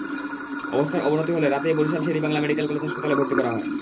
অবস্থার অবনতি হলে রাতেই বরিশাল শের-ই-বাংলা মেডিকেল কলেজ হাসপাতালে ভর্তি করা হয়।